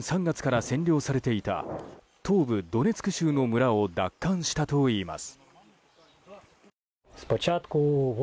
去年３月から占領されていた東部ドネツク州の村を奪還したといいます。